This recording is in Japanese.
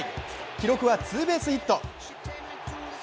記録はツーベースヒット。